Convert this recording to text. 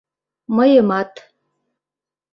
— Мыйымат...